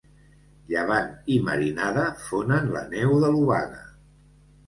Llevant i marinada fonen la neu de l'obaga.